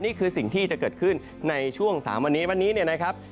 นี่คือสิ่งที่จะเกิดขึ้นในช่วงสามวันนี้นะครับ